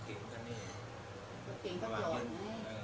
อ๋อการธุ์ธุ์ธุ์ธุ์